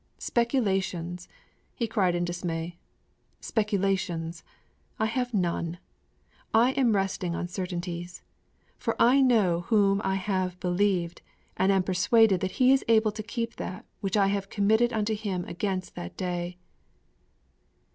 'Speculations!' he cried in dismay, 'speculations! I have none! I am resting on certainties! _For I know whom I have believed and am persuaded that He is able to keep that which I have committed unto Him against that day!